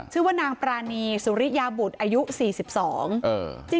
ชื่อว่านางปรานีสุริยาบุตรอายุสี่สิบสอง